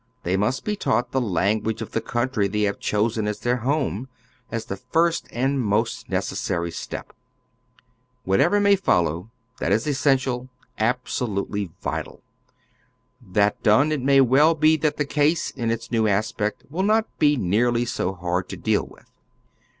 They must be tanght the language of the country they have chosen as their home, as the iirst and most necessary step. Whatever may fol low, that is essential, absolutely vital. That done, it may well be that the case in its new aspect will not be nearly so hard to deal with.